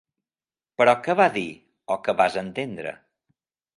Però què va dir, o què vas entendre?